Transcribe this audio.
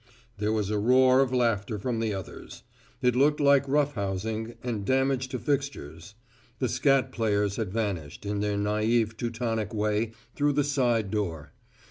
There was a roar of laughter from the others. It looked like rough housing, and damage to fixtures. The scat players had vanished, in their naïve Teutonic way, through the side door.